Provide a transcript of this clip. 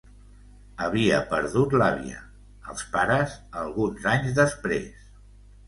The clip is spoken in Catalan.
Havia perdut l'àvia, els pares alguns anys després...